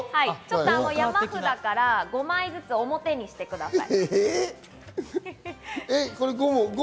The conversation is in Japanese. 山札から５枚ずつ表にしてください。